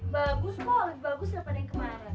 bagus kok lebih bagus daripada yang kemarin